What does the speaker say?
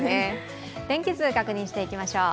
天気図、確認していきましょう。